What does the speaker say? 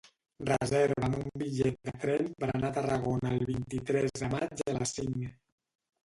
Reserva'm un bitllet de tren per anar a Tarragona el vint-i-tres de maig a les cinc.